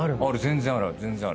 全然ある。